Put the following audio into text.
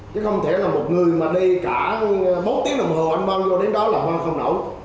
không thể một người đi cả bốn tiếng đồng hồ anh mang vào đó là hoang không nẫu